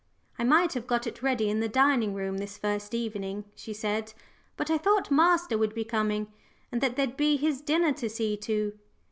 "I might have got it ready in the dining room this first evening," she said, "but I thought master would be coming, and that there'd be his dinner to see to.